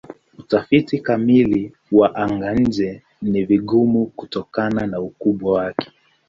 Utafiti kamili wa anga-nje ni vigumu kutokana na ukubwa wake.